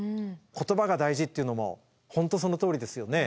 言葉が大事っていうのも本当そのとおりですよね。